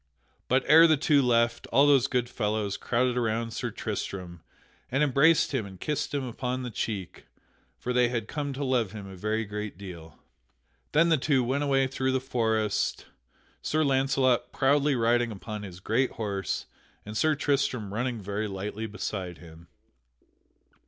But ere the two left, all those good fellows crowded around Sir Tristram, and embraced him and kissed him upon the cheek; for they had come to love him a very great deal. Then the two went away through the forest, Sir Launcelot proudly riding upon his great horse and Sir Tristram running very lightly beside him.